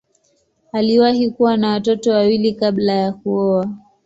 Aliwahi kuwa na watoto wawili kabla ya kuoa.